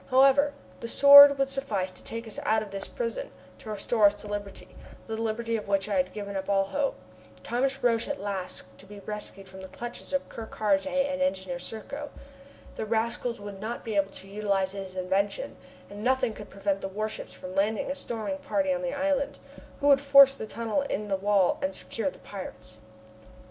However, the Sword would suffice to take us out of this prison, to restore us to liberty that liberty of which I had given up all hope. Thomas Roch was at last to be rescued from the clutches of Ker Karraje and Engineer Serko. The rascals would not be able to utilize his invention, and nothing could prevent the warships from landing a storming party on the island, who would force the tunnel in the wall and secure the pirates!